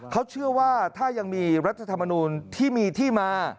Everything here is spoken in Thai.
เขาเชื่อว่าถ้ายังมีรัฐธรรมนูลที่มีที่มา